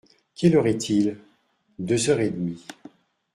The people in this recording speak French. Quelle heure est-il ? Deux heures et demie.